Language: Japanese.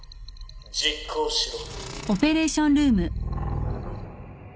実行しろ。